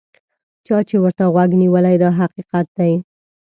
چا چې ورته غوږ نیولی دا حقیقت دی.